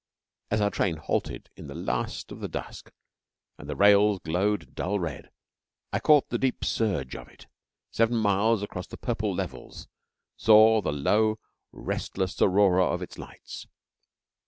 As our train halted in the last of the dusk, and the rails glowed dull red, I caught the deep surge of it, and seven miles across the purple levels saw the low, restless aurora of its lights.